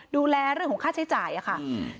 ดูแลเรื่องของค่าใช้จ่ายอะค่ะ